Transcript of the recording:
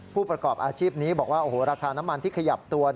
ผู้ประกอบอาชีพนี้บอกว่าโอ้โหราคาน้ำมันที่ขยับตัว